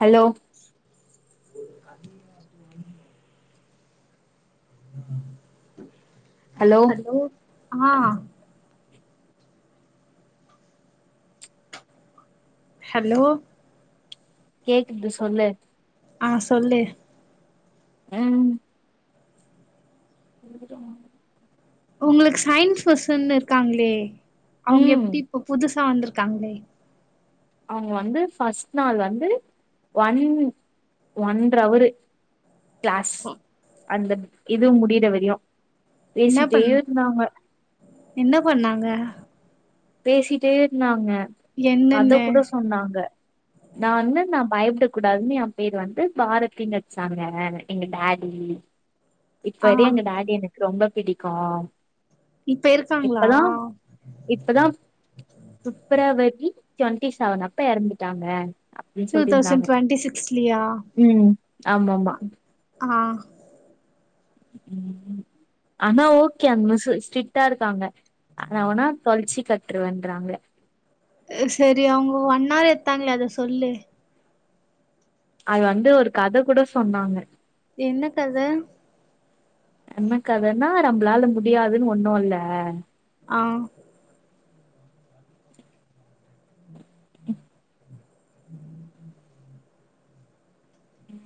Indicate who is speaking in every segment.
Speaker 1: hello
Speaker 2: [inaudible] hello ஆ hello
Speaker 1: கேக்குது சொல்லு
Speaker 2: ஆ சொல்லு
Speaker 1: அம் [inaudible]
Speaker 2: உங்ளுக்கு சயின்ஸ் பர்சன்னு இருக்காங்களே அவங்க
Speaker 1: ம்
Speaker 2: எப்டி இப்ப புதுசா வந்துருக்காங்ளே
Speaker 1: அவங்க வந்து ஃபஸ்ட் நாள் வந்து ஒன் ஒன்றவரு க்ளாஸ் அந்த இது முடிற வரையு
Speaker 2: என்ன
Speaker 1: பேசிட்டே
Speaker 2: பண்
Speaker 1: இருந்தாங்க
Speaker 2: என்ன பண்ணாங்க
Speaker 1: பேசிட்டே இருந்தாங்க
Speaker 2: என்னென்ன
Speaker 1: கத கூட சொன்னாங்க நா வந்து நா பயப்பட கூடாதுன்னு ஏ பேர் வந்து பாரதினு வச்சாங்க எங்க டாடி
Speaker 2: ஆ
Speaker 1: இப்படி எங்க டாடிய எனக்கு ரொம்ப பிடிக்கு
Speaker 2: இப்ப இருக்காங்ளா
Speaker 1: ப்பதா ஃபிப்ரவரி டுவெண்ட்டி செவன் அப்ப எறந்துட்டாங்க அப்டின்
Speaker 2: டூ
Speaker 1: சொல்லிருந்தாங்க
Speaker 2: தௌசண்ட் டுவெண்ட்டி சிக்ஸ்லயா
Speaker 1: ம் ஆமா ஆமா
Speaker 2: ஆ
Speaker 1: ஆனா ஓகே அந்த மிஸ்ஸு ஸ்டிட்டா இருக்காங்க ஆனவுனா தொலச்சி கட்ருவேன்றாங்க
Speaker 2: அ சரி அவ்ங்க ஒன் ஹர் எடுத்தாங்களே அத சொல்லு
Speaker 1: அது வந்து ஒரு கத கூட சொன்னாங்க
Speaker 2: என்ன கத
Speaker 1: என்ன கதன்னா நம்ளால முடியாதுன்னு ஒன்னு இல்ல
Speaker 2: ஆ
Speaker 1: ம்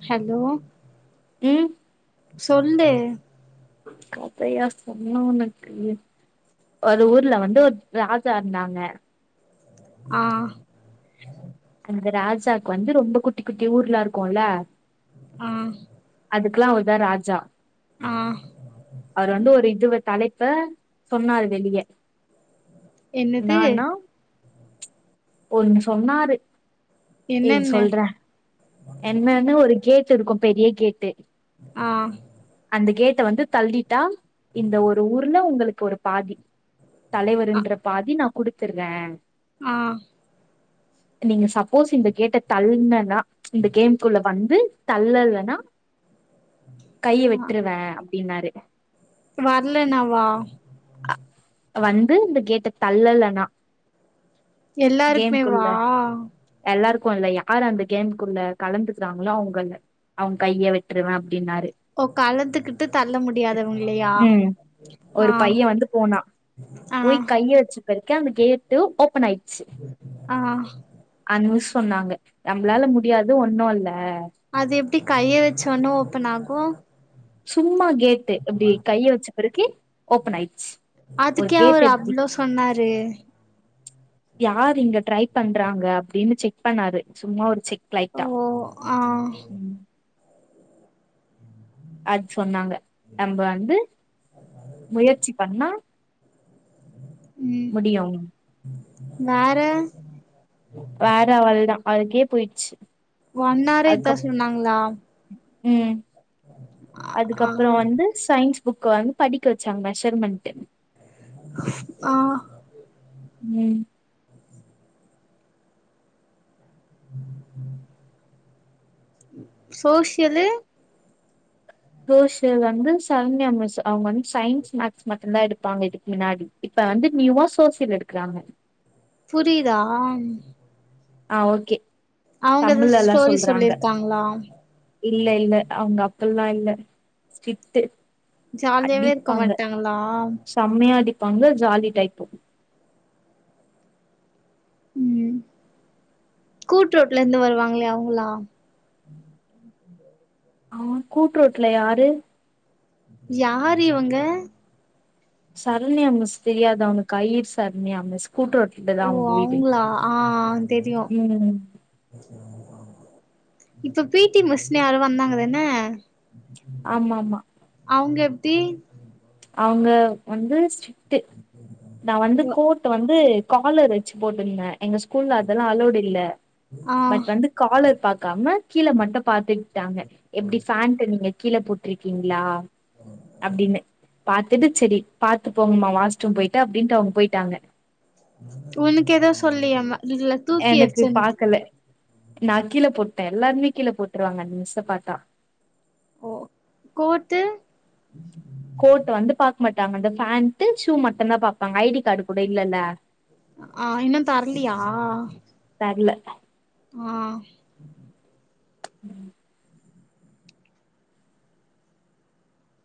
Speaker 2: ஹலோ
Speaker 1: ம்
Speaker 2: சொல்லு
Speaker 1: கதையா சொன்ன உனக்கு ஒரு ஊர்ல வந்து ஒரு ராஜா இருந்தாங்க
Speaker 2: ஆ
Speaker 1: அந்த ராஜாக்கு வந்து ரொம்ப குட்டி குட்டி ஊர்லா இருக்குல்ல
Speaker 2: ஆ
Speaker 1: அதுக்லா அவர்தா ராஜா
Speaker 2: ஆ
Speaker 1: அவர் வந்டு ஒரு இதுவ தலைப்ப சொன்னாரு வெளியே
Speaker 2: என்னது
Speaker 1: என்னானா ஒன்னு சொன்னாரு இன்
Speaker 2: என்னென்ன
Speaker 1: சொல்ற என்னன்னு ஒரு கேட்டு இருக்கு பெரிய கேட்டு
Speaker 2: ஆ
Speaker 1: அந்த கேட்ட வந்து தள்ளிட்டா இந்த ஒரு ஊர்ல உங்களுக்கு ஒரு பாதி
Speaker 2: ஆ
Speaker 1: தலைவர்ன்ற பாதி நா குடுத்துர்றே
Speaker 2: ஆ
Speaker 1: நீங்க சப்போஸ் இந்த கேட்ட தள்னன்னா இந்த கேம் குள்ள வந்து தள்ளலனா கைய வெட்ருவே அப்டின்னாரு
Speaker 2: வர்லனவா
Speaker 1: வந்து இந்த கேட்ட தள்ளலனா
Speaker 2: எல்லாருக்குமே வா
Speaker 1: கேம்குள்ள எல்லாருக்கு இல்ல யார் அந்த கேம்குள்ள கலந்துக்குறாங்களோ அவுங்கள்ள அவன் கைய வெட்டுருவ அப்டின்னாரு
Speaker 2: ஓ கலத்துகிட்டு தள்ள முடியாதவங்கல்லையா
Speaker 1: ம் ஒரு பையன் வந்து போனா
Speaker 2: ஆ
Speaker 1: அங்க இருக்க அந்த கேட்டு ஓப்பன் ஆயிட்
Speaker 2: ஆ
Speaker 1: அனு சொன்னாங்க நம்மளால முடியாது ஒண்ணு இல்ல
Speaker 2: அது எப்டி கைய வச்சோனே ஓபன் ஆகு
Speaker 1: சும்மா கேட்டு அப்படி கைய வச்ச பிறகு ஓபன் ஆயிடுச்சு ஒரு
Speaker 2: அதுக்குயா
Speaker 1: கேட்
Speaker 2: அவரு
Speaker 1: எப்டி
Speaker 2: அவ்ளோ சொன்னாரு
Speaker 1: யார் இங்க ட்ரை பண்றாங்க அப்டின்னு செக் பண்ணாரு சும்மா ஒரு செக்
Speaker 2: ஓ
Speaker 1: லைட்டா
Speaker 2: ஆ
Speaker 1: ம் அது சொன்னாங்க நம்ப வந்து முயற்சி பண்ணா முடியும்
Speaker 2: நாற
Speaker 1: வேற அவள்தா அவுளுக்கே போயிடுச்சு
Speaker 2: ஒன் ஹார் இதா
Speaker 1: அதுக்கப்
Speaker 2: சொன்னாங்களா
Speaker 1: ம்
Speaker 2: ஆ
Speaker 1: அதுக்கப்புறோ வந்து சயின்ஸ் புக்க வந்து படிக்க வச்சாங்க மெஷர்மெண்ட்டு
Speaker 2: ஆ
Speaker 1: ம்
Speaker 2: சோஷியல்லு
Speaker 1: சோஷியல் வந்து சன்தியா மிஸ்சு அவுங்க வந்து சயின்ஸ் மேக்ஸ் மட்டும்தா எடுப்பாங்க இதுக்கு மின்னாடி இப்ப வந்து நியூவா சோஷியல் எடுக்கறாங்க
Speaker 2: புரிதா
Speaker 1: ஆ ஓகே
Speaker 2: அவுங்க
Speaker 1: தமிழ்
Speaker 2: எதாச்சு
Speaker 1: எல்லா
Speaker 2: ஸ்டோரி
Speaker 1: சொல்றாங்க
Speaker 2: சொல்லியிருக்காங்களா
Speaker 1: இல்ல இல்ல அவுங்க அப்பல்லா இல்ல ஸ்டிட்டு
Speaker 2: ஜாலியாவே இருக்க மாட்டாங்களா
Speaker 1: செம்மையா அடிப்பாங்க ஜாலி டைப்பு
Speaker 2: ம் கூட்ரோட்ல இருந்து வருவாங்களே அவுங்களா
Speaker 1: ஆமா கூட்டுரோட்ல யாரு
Speaker 2: யார் இவங்க
Speaker 1: சரணியா மிஸ் தெரியாதா உனக்கு ஐயிர் சரணியா மிஸ் கூட்ரோட்
Speaker 2: ஓ அவுங்களா ஆ ஆ தெரியு
Speaker 1: ம்
Speaker 2: இப்ப பி டி மிஸ்னு யாரோ வந்தாங்கதன
Speaker 1: ஆமா ஆமா
Speaker 2: அவுங்க எப்டி
Speaker 1: அவுங்க வந்து ஸ்டிட்டு நா வந்து கோர்ட்டு வந்து காலர் வச்சு போட்டிருந்த எங்க ஸ்கூல்ல அதெல்லா அலோடு இல்ல
Speaker 2: ஆ
Speaker 1: பட் வந்து காலர் பாக்காம கீழ மட்டும் பாத்துக்கிட்டாங்க எப்டி ஃபேண்ட்டு நீங்க கீழ போட் ட்ருக்கீங்களா அப்டின்னு பாத்துட்டு சரி பாத்து போங்கம்மா வாஸ்ரூம் போயிட்டு அப்டின்ட்டு அவுங்க போயிட்டாங்க
Speaker 2: உனக்கு எது சொல்லியா ம இல்ல தூக்கி
Speaker 1: எனக்கு
Speaker 2: எறிச்சன்
Speaker 1: பாக்கல நா கீழ போட்டே எல்லாருமே கீழ போட்ருவாங்க அந்த மிஷ்ஸ பாத்தா
Speaker 2: ஓ கோட்டு
Speaker 1: கோட்டு வந்து பாக்க மாட்டாங்க அந்த பேண்ட் ஷூ மட்டுதா பாப்பாங்க ஐடி கார்டு கூட இல்லல்ல
Speaker 2: ஆ இன்னு தர்லியா
Speaker 1: தர்ல
Speaker 2: ஆ
Speaker 1: ம்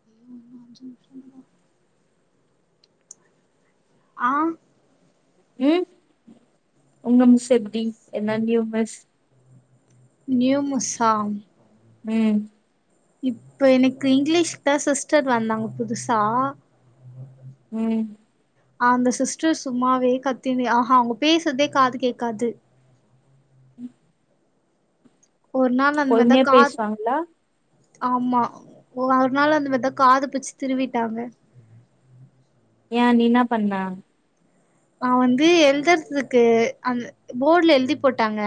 Speaker 2: ஆ இன்னு அஞ்சு நிம்ஷோதா ஆ
Speaker 1: ம் உங்க மிஸ் எப்புடி என்ன நியூ மிஸ்
Speaker 2: நியூ மிஸ்சா
Speaker 1: ம்
Speaker 2: இப்போ எனக்கு இங்கிலீஷதா சிஸ்டர் வந்தாங்க புதுசா
Speaker 1: ம்
Speaker 2: அந்த சிஸ்டர் சும்மாவே கத்தினு ஆஹா அவங்க பேசுறதே காது கேக்காது
Speaker 1: ம்
Speaker 2: ஒரு நாள் அந்த மாரிதா காது
Speaker 1: பேசுவாங்களா
Speaker 2: ஆமா ஓ அ ஒரு நாளு அந்த மாரிதா காது புச்சு திருவீட்டாங்க
Speaker 1: ஏ நீ என்ன பண்ண
Speaker 2: நா வந்து எழ்தற்துக்கு அந்த போட்ல எழுதி போட்டாங்க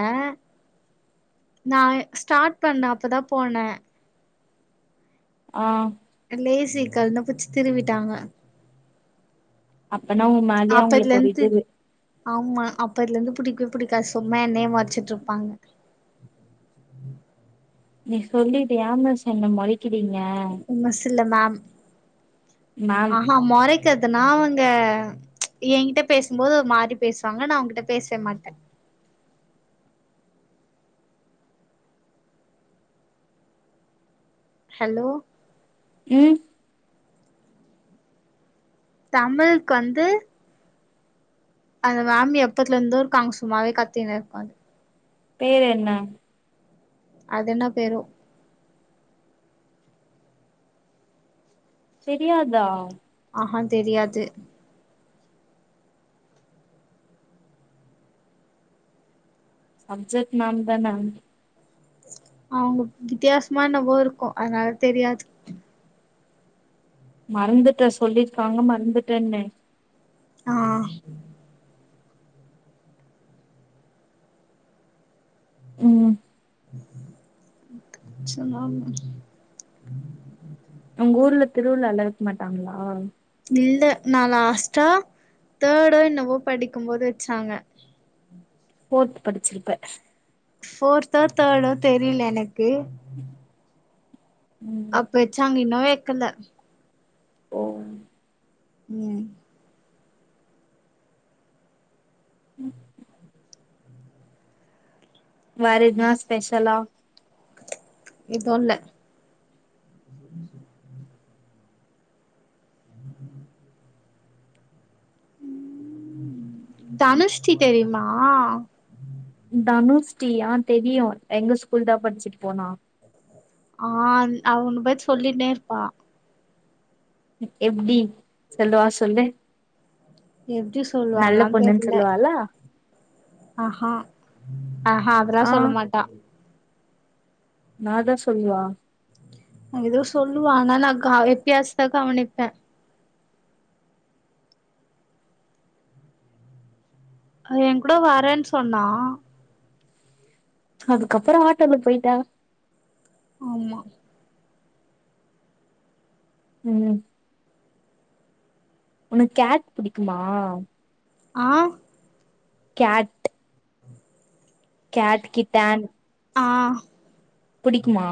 Speaker 2: நா ஸ்டாட் பண்ண அப்போதா போன
Speaker 1: ஆ
Speaker 2: லேசிக்கல்னு புச்சு திருவீட்டாங்க
Speaker 1: அப்பனா உ மேலயே அவங்களுக்கு ஒரு
Speaker 2: அப்பதுலருந்து
Speaker 1: இது
Speaker 2: ஆமா அப்பத்துலருந்து புடிக்கவே பிடிக்காத் சும்மா எண்ணயே மொறச்சுட்ருப்பாங்க
Speaker 1: நீ சொல்லிடு ஏ மிஸ் என்ன மொறைக்கிறீங்க
Speaker 2: மிஸ்ல்ல மேம்
Speaker 1: மேம்
Speaker 2: ஆஹா மொறைக்கற்துனா அவுங்க எகிட்ட பேசும்போது ஒருமாரி பேசுவாங்க நா அவங்கிட்ட பேச மாட்டே ஹலோ
Speaker 1: ம்
Speaker 2: தமிழ்க்கு வந்து அந்த மேம் எப்பத்துல இருந்தோ இருக்காங்க சும்மாவே கத்தினு இருப்பாங்க
Speaker 1: பேர் என்ன
Speaker 2: அது என்ன பேரோ
Speaker 1: தெரியாதா
Speaker 2: ஆஹா தெரியாது
Speaker 1: சப்ஜெக்ட் மேம்தான
Speaker 2: அவுங்க வித்யாசமா என்னவோ இருக்கு அதனால தெரியாது
Speaker 1: மறந்துட்டே சொல்லியிருக்காங்க மறந்துட்டேனு
Speaker 2: ஆ
Speaker 1: ம்
Speaker 2: சொன்னாங்க
Speaker 1: உங்க ஊர்ல திருவிழாலா வெக்க மாட்டாங்ளா
Speaker 2: இல்ல நா லாஸ்ட்டா தேர்டோ என்வோ படிக்கும்போது வெச்சாங்க
Speaker 1: ஃபோர்த்து படிச்சிருப்ப
Speaker 2: ஃபோர்த்தோ தேடோ தெரியல எனக்கு
Speaker 1: ம்
Speaker 2: அப்ப வெச்சாங்க இன்னு வெக்கல
Speaker 1: ஓ
Speaker 2: ம்
Speaker 1: ம் வேற எதுனா ஸ்பெஷலா
Speaker 2: எதுல்ல தனுஷ்ஸ்ரீ தெரியுமா
Speaker 1: தனுஷ்ஸ்ரீயா தெரியு எங்க ஸ்கூல் தா படிச்சுட்டு போனா
Speaker 2: ஆ அவ உன் பத்தி சொல்லிட்டே இருப்பா
Speaker 1: எப்டி சொல்லுவா சொல்லு
Speaker 2: எப்டி
Speaker 1: நல்ல
Speaker 2: சொல்லுவால்லா
Speaker 1: பொண்ணுன்னு
Speaker 2: தெர்ல
Speaker 1: சொல்லுவாளா
Speaker 2: ஆஹா ஆஹா அதெல்லா
Speaker 1: ஆ
Speaker 2: சொல்ல மாட்டா
Speaker 1: ஆ தா சொல்வா
Speaker 2: எதுவோ சொல்லுவா ஆனா நா கா வித்தியாச கவனிப்பே அவ என் கூட வரேன்னு சொன்னா
Speaker 1: அதுக்கப்புற ஆட்டோல போய்ட்டா
Speaker 2: ஆமா
Speaker 1: ம் உனக்கு கேட் புடிக்குமா
Speaker 2: ஆ
Speaker 1: கேட் கேட் கிட்டான்
Speaker 2: ஆ
Speaker 1: புடிக்குமா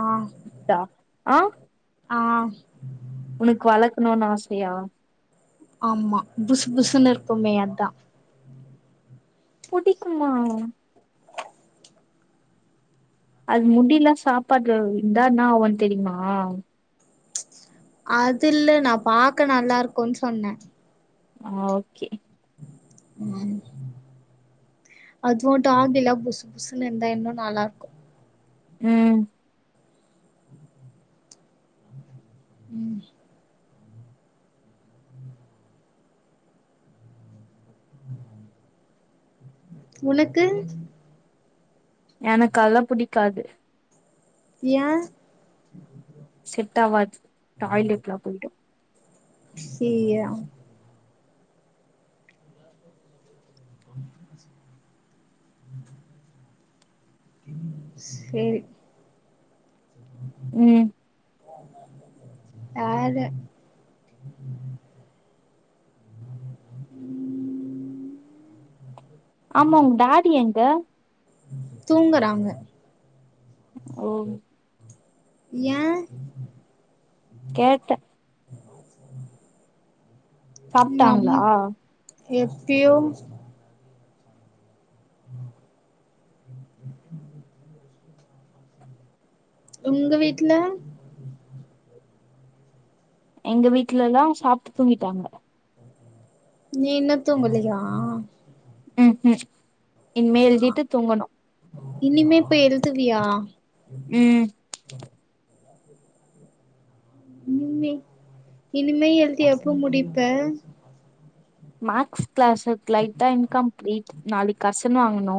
Speaker 2: ஆ
Speaker 1: டா ஆ
Speaker 2: ஆ
Speaker 1: உனக்கு வளக்கணுனு ஆசையா
Speaker 2: ஆமா புஸ் புஸ்னு இருக்குமே அதா
Speaker 1: புடிக்குமா அது முடில்லா சாப்பாட்ல விழுந்தா என்னாவு தெரிமா
Speaker 2: அது இல்ல நா பாக்க நல்லா இருக்கும்னு சொன்னே
Speaker 1: ஆ ஓகே
Speaker 2: அதுவு டாக் இல்ல புஸ் புஸ்ன்னு இருந்தா இன்னு நல்லா இருக்கு
Speaker 1: ம்
Speaker 2: ம் உனக்கு
Speaker 1: எனக்கு அதுல்லா புடிக்காது
Speaker 2: ஏ
Speaker 1: செட் ஆவாது டாய்லெட்லா போய்டு
Speaker 2: சீய [unintelligible] சேரி
Speaker 1: ம்
Speaker 2: யாரு
Speaker 1: ஆமா உங் டாடி எங்க
Speaker 2: தூங்கறாங்க
Speaker 1: ஓ
Speaker 2: யே
Speaker 1: கேட்டே
Speaker 2: ம் அம்
Speaker 1: சாப்ட்டாங்களா
Speaker 2: எப்பியோ உங்க வீட்ல
Speaker 1: எங்க வீட்லெல்லா சாப்ட்டு தூங்கிட்டாங்க
Speaker 2: நீ இன்னு தூங்கலியா
Speaker 1: ம் ம் இன்மே
Speaker 2: ஆ
Speaker 1: எழுதிட்டு தூங்கணு
Speaker 2: இனிமே போய் எழ்துவியா
Speaker 1: ம்
Speaker 2: இனிமே இனிமே எழுதி எப்போ முடிப்ப
Speaker 1: மேக்ஸ் க்ளாஸ்வர்க் லைட்டா இன்கம்ப்ளீட் நாளைக் கர்ஷன் வாங்கனு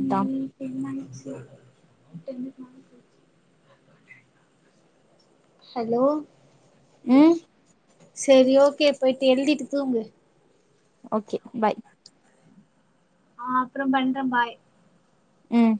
Speaker 1: அத்தா
Speaker 2: ம் டென் ஆயிடுச்சு டென்னுக்கு மேல போ ஹலோ
Speaker 1: ம்
Speaker 2: செரி ஓகே போய்ட்டு எழுதிட்டு தூங்கு
Speaker 1: ஓகே பாய்
Speaker 2: ஆ அப்றோம் பண்ற பாய்
Speaker 1: ம்